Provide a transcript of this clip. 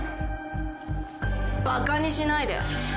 バカにしないで。